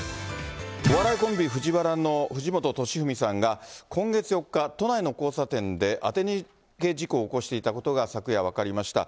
お笑いコンビ、ＦＵＪＩＷＡＲＡの藤本敏史さんが、今月４日、都内の交差点で当て逃げ事故を起こしていたことが昨夜、分かりました。